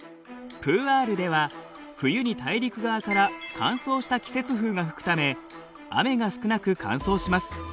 プーアールでは冬に大陸側から乾燥した季節風が吹くため雨が少なく乾燥します。